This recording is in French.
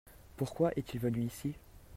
Pourquoi est-il venu ici ?